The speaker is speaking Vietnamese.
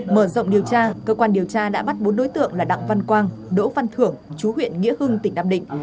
mở rộng điều tra cơ quan điều tra đã bắt bốn đối tượng là đặng văn quang đỗ văn thưởng chú huyện nghĩa hưng tỉnh nam định